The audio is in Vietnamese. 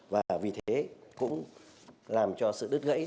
và vì thế cũng làm cho sự đứt gãy